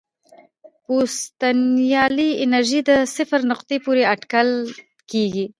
پوتنسیالي انرژي د صفر نقطې پورې اټکل کېږي.